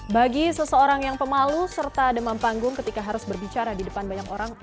bagi seseorang yang pemalu serta demam panggung ketika harus berbicara di depan banyak orang